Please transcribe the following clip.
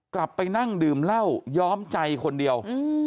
กลับไปนั่งดื่มเหล้าย้อมใจคนเดียว